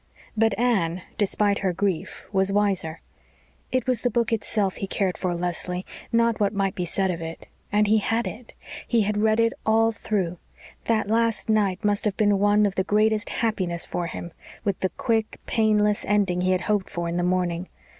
But Anne, despite her grief, was wiser. "It was the book itself he cared for, Leslie not what might be said of it and he had it. He had read it all through. That last night must have been one of the greatest happiness for him with the quick, painless ending he had hoped for in the morning.